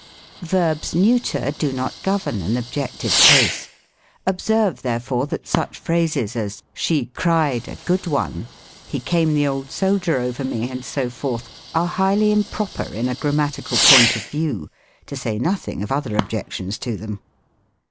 Verbs neuter do not govern an objective case. Ob serve, therefore, that such phrases : as, " She cried a good one" " He came the old soldier over me," and so forth, are highly improper in a grammatical point of view, to say nothing of other objections to them.